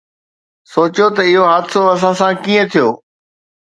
سوچيو ته اهو حادثو اسان سان ڪيئن ٿيو.